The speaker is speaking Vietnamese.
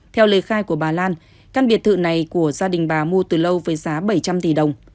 theo lời khai của bà lan căn biệt thự này của gia đình bà mua từ lâu với giá bảy trăm linh tỷ đồng